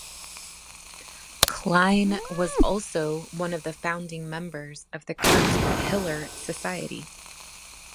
Klein was also one of the founding members of the Kurt Hiller Society.